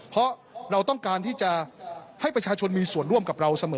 เพราะเราต้องการที่จะให้ประชาชนมีส่วนร่วมกับเราเสมอ